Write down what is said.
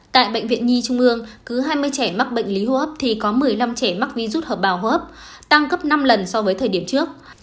tại bệnh viện nhi trung ương cứ hai mươi trẻ mắc bệnh lý hô hấp thì có một mươi năm trẻ mắc virus hợp bào hô hấp tăng gấp năm lần so với thời điểm trước